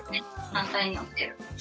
反対になってる。